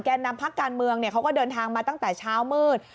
นำพักการเมืองเขาก็เดินทางมาตั้งแต่เช้ามืด